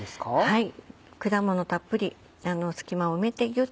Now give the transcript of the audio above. はい。